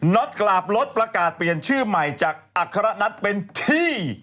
็อตกลับรถประกาศเปลี่ยนชื่อใหม่จากอัครนัทเป็นที่